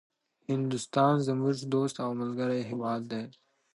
هندوستان زموږ دوست او ملګری هيواد ده